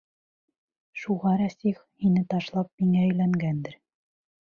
Шуға Рәсих һине ташлап миңә өйләнгәндер.